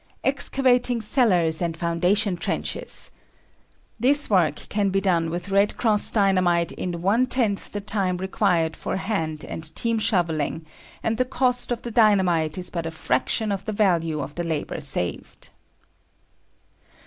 Excavating Cellars and Foundation Trenches. This work can be done with "Red Cross" Dynamite in one tenth the time required for hand and team shoveling, and the cost of the dynamite is but a fraction of the value of the labor saved.